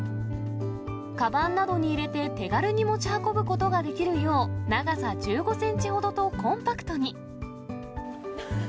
かばんなどに入れて手軽に持ち運ぶことができるよう、長さ１５センチほどとコンパクトに。